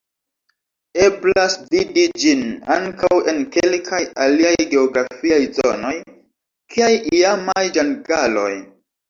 Eblas vidi ĝin ankaŭ en kelkaj aliaj geografiaj zonoj, kiaj iamaj ĝangaloj.